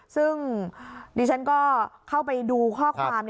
ซึ่งดิฉันก็เข้าไปดูข้อความ